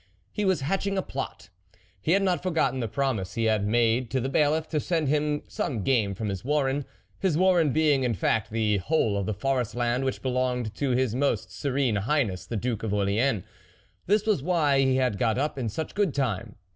He was hatching a plot. He had not forgotten the promise he had made to the Bailiff to send him some game from his warren ; his warren being, in fact, the whole of the forest land which belonged to his most serene Highness the Duke of Orleans. This was why he had got up in such good time.